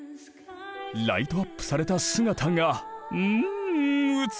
ライトアップされた姿がん美しい！